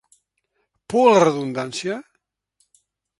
Por a la redundància?